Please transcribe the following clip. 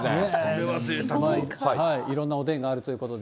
いろんなおでんがあるということで。